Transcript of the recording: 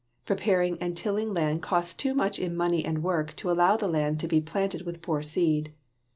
Preparing and tilling land costs too much in money and work to allow the land to be planted with poor seed.